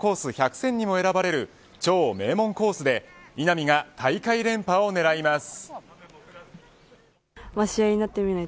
百選にも選ばれる超名門コースで稲見が、大会連覇を狙います。